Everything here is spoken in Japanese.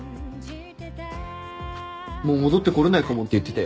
もう戻ってこれないかもって言ってたよ。